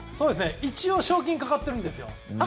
一応賞金がかかってるんですよ。